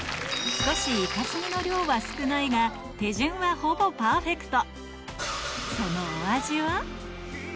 少しイカスミの量は少ないが手順はほぼパーフェクト